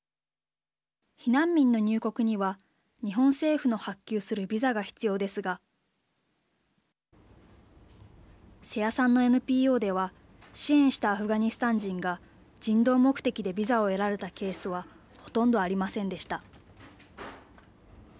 避難民の入国には日本政府の発給するビザが必要ですが瀬谷さんのＮＰＯでは支援したアフガニスタン人が人道目的でビザを得られたケースはほとんどありませんでした。